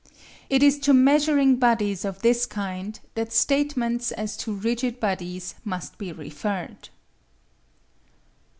It is to measuring bodies of this kind that statements as to rigid bodies must be referred.